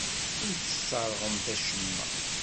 Ur tesserɣemt acemma.